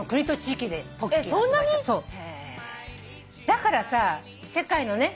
だからさ世界のね